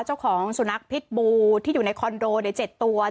เจ้าของสุนัขพิษบูที่อยู่ในคอนโดใน๗ตัว